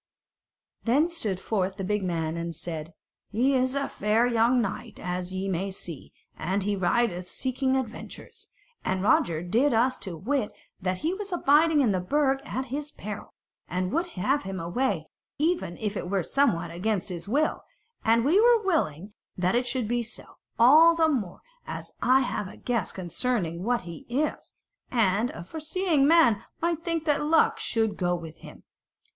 Then stood forth the big man and said: "He is a fair young knight, as ye may see; and he rideth seeking adventures, and Roger did us to wit that he was abiding in the Burg at his peril, and would have him away, even if it were somewhat against his will: and we were willing that it should be so, all the more as I have a guess concerning what he is; and a foreseeing man might think that luck should go with him."